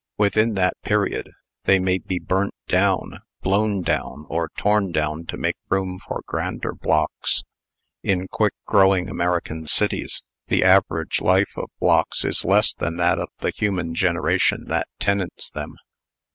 Within that period, they may be burnt down, blown down, or torn down to make room for grander blocks. In quick growing American cities, the average life of blocks is less than that of the human generation that tenants them.